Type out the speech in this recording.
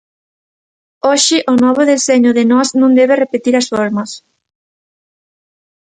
Hoxe o novo deseño de Nós non debe repetir as formas.